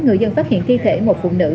người dân phát hiện thi thể một phụ nữ